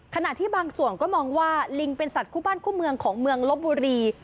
ขณะที่บางส่วนก็มองว่าลิงเป็นสัตว์คู่บ้านคู่เมืองของเมืองลบบุรี